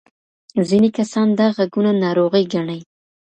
ځینې کسان دا غږونه ناروغي ګڼي.